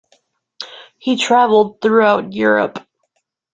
He traveled throughout Europe.